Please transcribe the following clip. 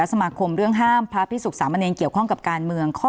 อากฏฐานเรืองห้ามพระพิสุสามเหนียร์เกี่ยวข้องกับการเมืองข้อ